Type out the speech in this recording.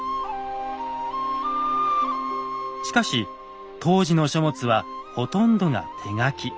しかし当時の書物はほとんどが手書き。